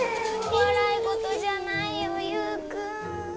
笑いごとじゃないよユウくん。